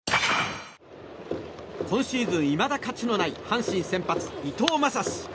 今シーズンいまだ勝ちのない阪神先発、伊藤将司。